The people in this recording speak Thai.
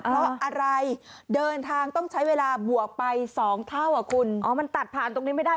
เพราะอะไรเดินทางต้องใช้เวลาบวกไปสองเท่าอ่ะคุณอ๋อมันตัดผ่านตรงนี้ไม่ได้